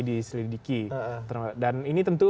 diselidiki dan ini tentu